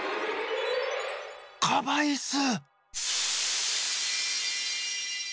カバイス！